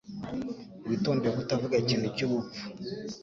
Witondere kutavuga ikintu cyubupfu.